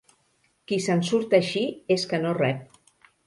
Qui se'n surt així és que no rep.